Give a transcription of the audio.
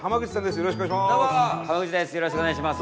よろしくお願いします。